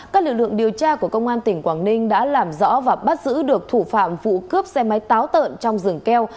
các lực lượng điều tra của công an tỉnh quảng ninh đã làm rõ và bắt giữ được thủ phạm vụ cướp xe máy táo tợn trong rừng keo